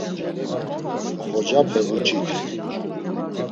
Xocape vuç̌itxi.